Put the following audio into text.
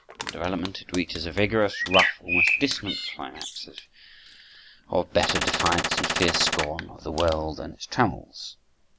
In the development it reaches a vigorous, rough, almost dissonant climax, as of bitter defiance and fierce scorn of the world and its trammels.